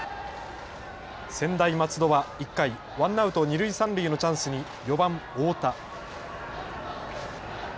専大松戸は１回ワンアウト二塁三塁のチャンスに４番・太田。